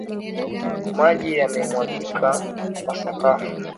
Maji yamemwagika kwa sakafu.